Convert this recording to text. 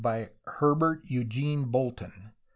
by Her bert Eugene Bolton.